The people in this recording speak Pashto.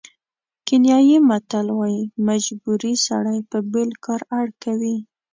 کینیايي متل وایي مجبوري سړی په بېل کار اړ کوي.